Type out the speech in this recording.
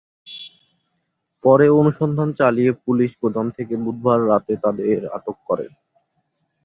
পরে অনুসন্ধান চালিয়ে পুলিশ গুদাম থেকে বুধবার রাতে তাঁদের আটক করে।